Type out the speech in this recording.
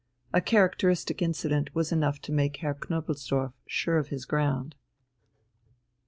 A characteristic incident was enough to make Herr Knobelsdorff sure of his ground.